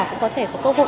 cũng có thể có cơ hội